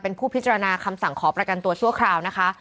เป็นผู้พิจารณาคำสั่งขอประกันตัวชั่วคราวนะคะ